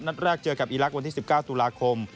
นัดแรกเจอกับอีลักษวันที่๑๙ตุลาคม